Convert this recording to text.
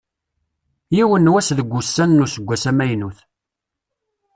Yiwen n wass deg wussan n useggas amaynut.